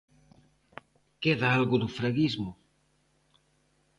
Queda algo do Fraguismo?